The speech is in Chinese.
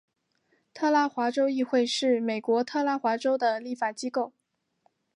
特拉华州议会是美国特拉华州的立法机构。